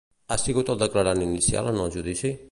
Ha sigut el declarant inicial en el judici?